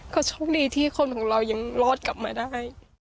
ก็โชคดีที่คนของเรายังรอดกลับมาได้